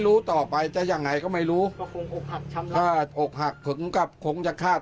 สายเปรย์ในวันนั้นทำให้เรามาถึงวันนี้ได้